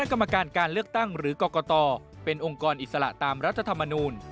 กรรมการการเลือกตั้งหรือกรกตเป็นองค์กรอิสระตามรัฐธรรมนูล